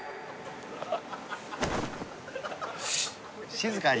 静かに。